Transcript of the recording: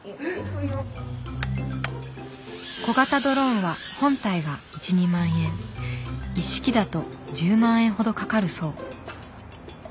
小型ドローンは本体が１２万円一式だと１０万円ほどかかるそう。